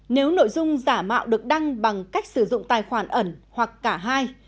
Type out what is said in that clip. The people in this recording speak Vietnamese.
nếu nội dung giả mạo được đăng bằng cách sử dụng tài khoản ẩn hoặc cả hai